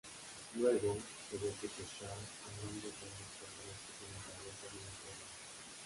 Luego, se ve a Ke$ha hablando con dos personas que tienen cabezas de unicornios.